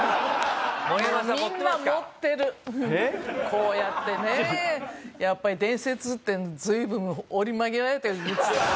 こうやってねやっぱり伝説って随分折り曲げられてる。